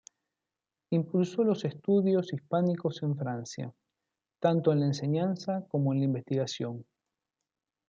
Impulsó los estudios hispánicos en Francia, tanto en la enseñanza como en la investigación.